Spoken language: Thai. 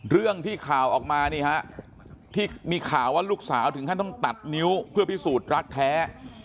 เรื่องที่ข่าวออกมานี่ฮะที่มีข่าวว่าลูกสาวถึงขั้นต้องตัดนิ้วเพื่อพิสูจน์รักแท้